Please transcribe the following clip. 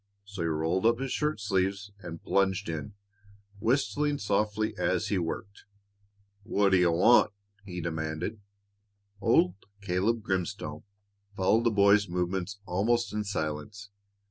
So he rolled up his shirt sleeves and plunged in, whistling softly as he worked. [Illustration: "What d'you want?" he demanded] Old Caleb Grimstone followed the boy's movements almost in silence.